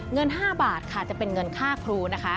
เงิน๕บาทค่ะจะเป็นเงินค่าครูนะคะ